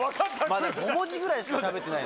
まだ５文字ぐらいしかしゃべってない。